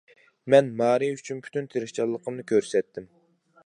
مەن مارى ئۈچۈن پۈتۈن تىرىشچانلىقىمنى كۆرسەتتىم.